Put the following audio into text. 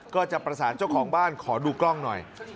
ก็จะประสานเจ้าของบ้านขอดูกล้องหน่อย